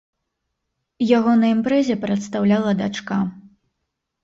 Яго на імпрэзе прадстаўляла дачка.